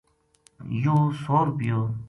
یوہ سو رُپیو